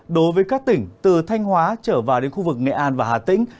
đối với các tỉnh từ thanh hóa trở vào đến khu vực nghệ an và hà tĩnh